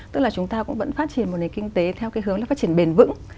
tức là chúng ta cũng vẫn phát triển một nền kinh tế theo cái hướng là phát triển bền vững